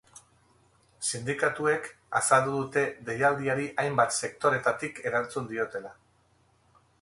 Sindikatuek azaldu dute deialdiari hainbat sektoretatik erantzun diotela.